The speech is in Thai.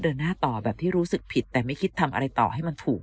เดินหน้าต่อแบบที่รู้สึกผิดแต่ไม่คิดทำอะไรต่อให้มันถูก